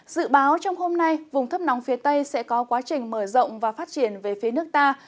dự báo trong hôm nay vùng thấp nóng phía tây sẽ có quá trình mở rộng và phát triển về phía nước ta